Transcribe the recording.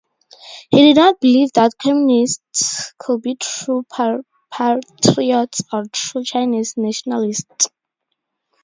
He did not believe that Communists could be true patriots or true Chinese nationalists.